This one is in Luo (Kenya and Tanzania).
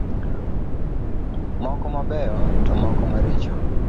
Moko mabeyo to moko maricho.